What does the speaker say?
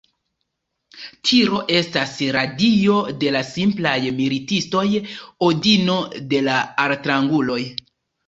Tiro estas la dio de la simplaj militistoj, Odino de la altranguloj.